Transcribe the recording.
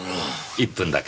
１分だけ。